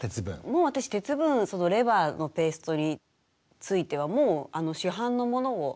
もう私鉄分レバーのペーストについてはもう市販のものを買っちゃってます。